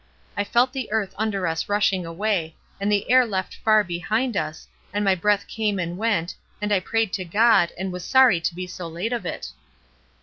I felt the earth under us rushing away, and the air left far behind us, and my breath came and went, and I prayed to God, and was sorry to be so late of it.